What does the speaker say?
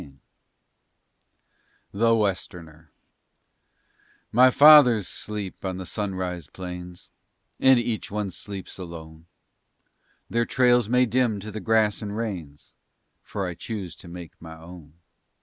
_"] THE WESTERNER My fathers sleep on the sunrise plains, And each one sleeps alone. Their trails may dim to the grass and rains, For I choose to make my own.